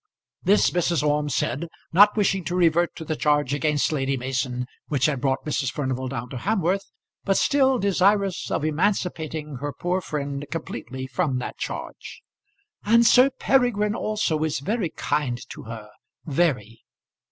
This Mrs. Orme said, not wishing to revert to the charge against Lady Mason which had brought Mrs. Furnival down to Hamworth, but still desirous of emancipating her poor friend completely from that charge. "And Sir Peregrine also is very kind to her, very."